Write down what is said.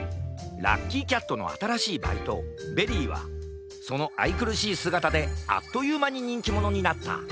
ラッキーキャットのあたらしいバイトベリーはそのあいくるしいすがたであっというまににんきものになった。